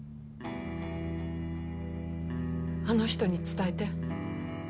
あの人に伝えて。